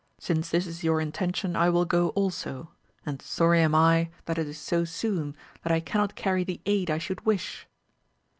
Since this is your intention I will go also, and sorry am I that it is so soon that I cannot carry the aid I should wish.